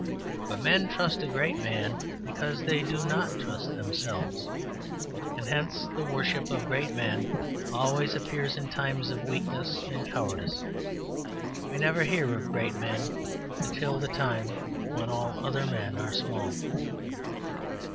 But men trust a great man because they do not trust themselves. And hence the worship of great men always appears in times of weakness and cowardice; we never hear of great men until the time when all other men are small.